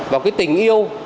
và cái tình yêu